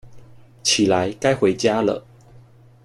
起來，該回家了